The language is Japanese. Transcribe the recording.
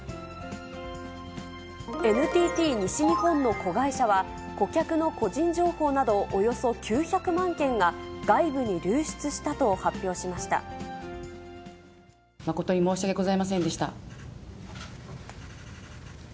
ＮＴＴ西日本の子会社は、顧客の個人情報などおよそ９００万件が外部に流出したと発表しま誠に申し訳ございませんでした。